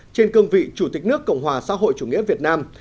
trên cương vị chủ tịch nước cộng hòa xã hội chủ nghĩa việt nam